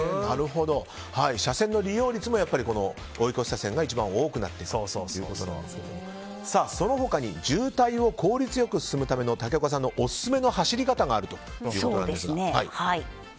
車線の利用率も追い越し車線が一番多くなっているということでその他に渋滞を効率よく進めるための竹岡さんのオススメの走り方があるということです。